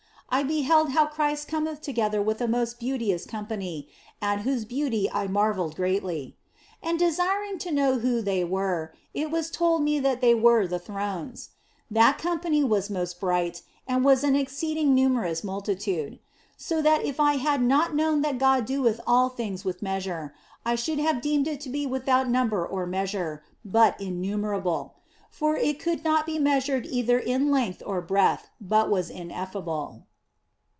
I be held how Christ cometh together with a most beauteous company, at whose beauty I marvelled greatly. And desiring to know who they were, it was told me that they were the thrones. That company was most bright, and OF FOLIGNO 223 was an exceeding numerous multitude ; so that if I had not known that God doeth all things with measure, I should have deemed it to be without number or measure, but innumerable ; for it could not be measured either in length or breadth, but was ineffable.